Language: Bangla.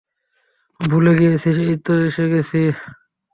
ভুলেই গিয়েছিলাম এইতো এসে গেছি।